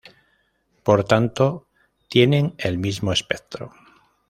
Por tanto, tienen el mismo espectro.